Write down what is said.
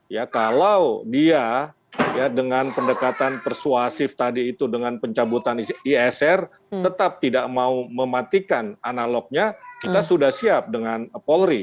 ya kalau dia ya dengan pendekatan persuasif tadi itu dengan pencabutan isr tetap tidak mau mematikan analognya kita sudah siap dengan polri